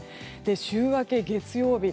週明け、月曜日